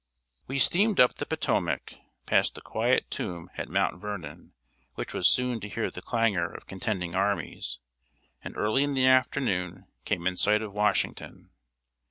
We steamed up the Potomac, passed the quiet tomb at Mount Vernon, which was soon to hear the clangor of contending armies, and early in the afternoon came in sight of Washington.